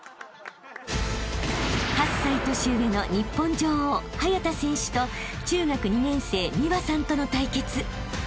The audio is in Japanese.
［８歳年上の日本女王早田選手と中学２年生美和さんとの対決］